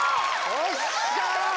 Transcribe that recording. よっしゃ！